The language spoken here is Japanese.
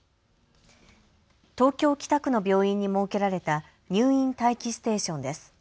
東京北区の病院に設けられた、入院待機ステーションです。